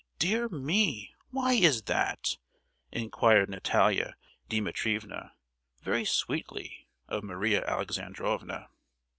Dear me; why is that?" inquired Natalia Dimitrievna, very sweetly, of Maria Alexandrovna.